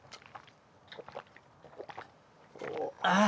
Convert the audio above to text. ああ！